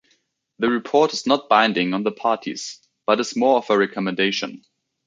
The report is not binding on the parties, but is more of a recommendation.